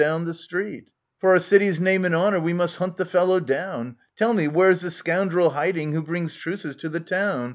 For our city's name and honour we must hunt the fellow down. Tell me, where's the scoundrel hiding who brings truces to the town